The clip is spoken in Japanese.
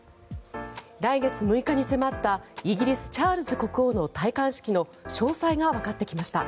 来月６日に迫ったイギリス、チャールズ国王の戴冠式の詳細がわかってきました。